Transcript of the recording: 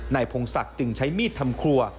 พงศักดิ์จึงใช้มีดทำครัว